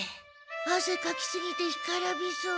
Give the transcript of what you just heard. あせかきすぎてひからびそう。